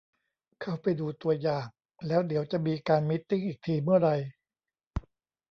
เข้าไปดูตัวอย่าง แล้วเดี๋ยวจะมีการมีตติ้งอีกทีเมื่อไร